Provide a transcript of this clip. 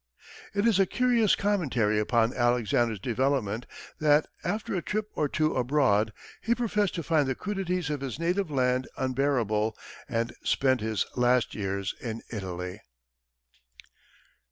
It is a curious commentary upon Alexander's development that, after a trip or two abroad, he professed to find the crudities of his native land unbearable, and spent his last years in Italy.